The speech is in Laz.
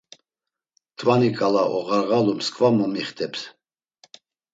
Tkvani ǩala oğarğalu mskva momixteps.